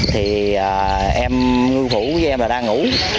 thì em ưu phủ với em đang ngủ